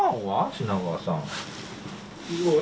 品川さん。